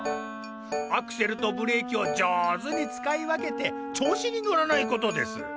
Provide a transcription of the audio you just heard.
アクセルとブレーキを上手に使い分けて調子に乗らないことです。